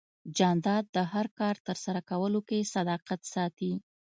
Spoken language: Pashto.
جانداد د هر کار ترسره کولو کې صداقت ساتي.